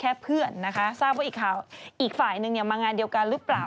เพื่อนนะคะทราบว่าอีกฝ่ายนึงมางานเดียวกันหรือเปล่า